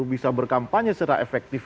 bisa berkampanye secara efektif